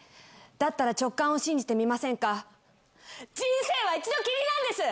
だったら直感を信じてみませんか人生は一度きりなんです！